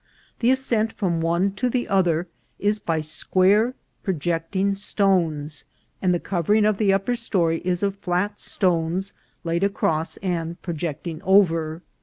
The ascent from one to the other is by square projecting stones, and the cov ering of the upper story is of flat stones laid across and projecting over.